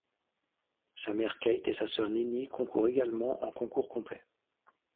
Sa mère Kate et sa sœur Nini concourent également en concours complet.